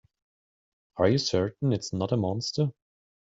Are you certain it's not a monster?